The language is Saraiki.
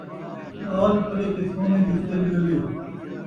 ٻال پلے تے سونے دی سِلھ ڳلے